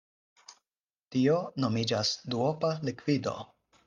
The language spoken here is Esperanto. Tio nomiĝas "duopa likvido".